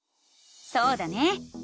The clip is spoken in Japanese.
そうだね！